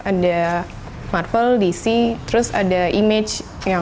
ada marvel dc terus ada image